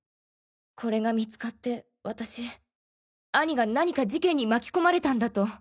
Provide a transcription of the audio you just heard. これが見つかって私兄が何か事件に巻き込まれたんだと。